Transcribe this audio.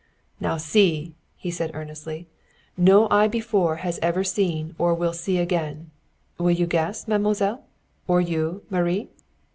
"Now see!" he said earnestly. "No eye before has ever seen or will again. Will you guess, mademoiselle? Or you, Marie?